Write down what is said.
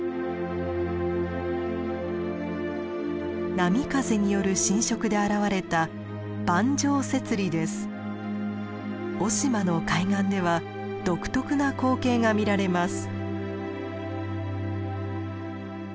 波風による浸食で現れた雄島の海岸では独特な光景が見られます。